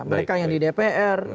mereka yang di dpr